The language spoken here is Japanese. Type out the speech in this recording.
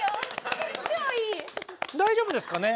大丈夫ですかね？